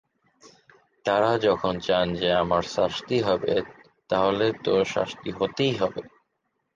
তারা যখন চান যে আমার শাস্তি হোক, তাহলে তো শাস্তি হতেই হবে।